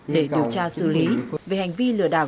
để điều tra xử lý về hành vi lừa đảo